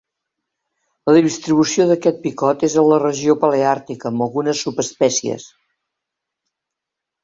La distribució d'aquest picot és a la regió Paleàrtica amb algunes subespècies.